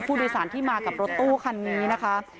ผู้โดยสารที่มากับรถตู้คันนี้นะคะ